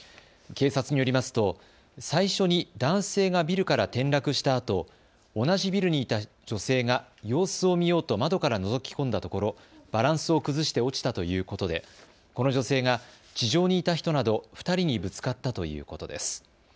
警察によりますと最初に男性がビルから転落したあと同じビルにいた女性が様子を見ようと窓からのぞき込んだところバランスを崩して落ちたということでこの女性が地上にいた人など２人にぶつかったということです。